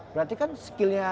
berarti kan skillnya